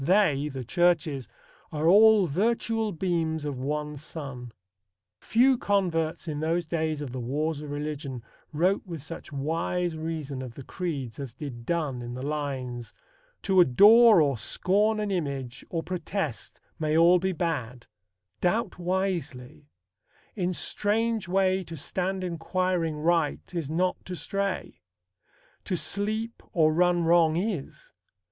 They" (the churches) "are all virtual beams of one sun." Few converts in those days of the wars of religion wrote with such wise reason of the creeds as did Donne in the lines: To adore or scorn an image, or protest, May all be bad; doubt wisely; in strange way To stand inquiring right, is not to stray; To sleep or run wrong is.